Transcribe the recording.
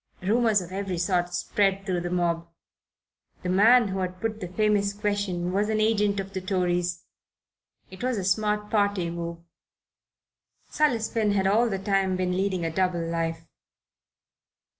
Rumours of every sort spread through the mob. The man who had put the famous question was an agent of the Tories. It was a smart party move. Silas Finn had all the time been leading a double life.